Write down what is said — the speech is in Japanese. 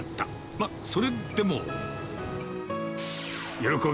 まあ、それでも。